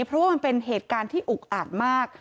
เพราะว่ามันเป็นเหตุการณ์ที่อุกอาดมาก